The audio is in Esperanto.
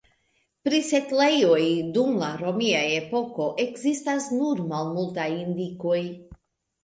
Pri setlejoj dum la romia epoko ekzistas nur malmultaj indikoj.